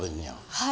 はい。